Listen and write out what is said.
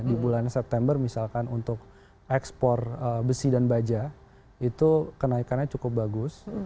di bulan september misalkan untuk ekspor besi dan baja itu kenaikannya cukup bagus